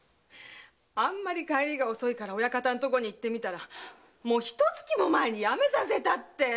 帰りが遅いから親方のところに行ってみたらひと月も前に辞めさせたって。